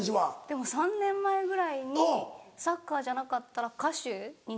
でも３年前ぐらいにサッカーじゃなかったら歌手に。